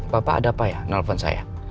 bapak ada apa ya nelfon saya